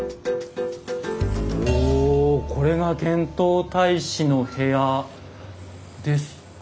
おおこれが遣唐大使の部屋ですか。